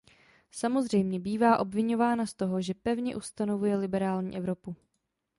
Samozřejmě, bývá obviňována z toho, že pevně ustanovuje liberální Evropu.